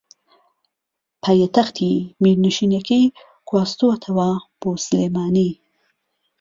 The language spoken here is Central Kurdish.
پایتەختی میرنشینەکەی گواستووەتەوە بۆ سلێمانی